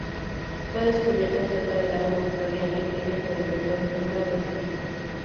Fue descubierto cerca del Lago Victoria en Kenia por el Dr. Brenda Benefit.